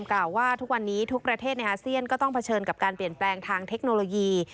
กล่าวว่าทุกวันนี้ทุกประเทศในอาเซียนก็ต้องเผชิญกับการเปลี่ยนแปลงทางเทคโนโลยี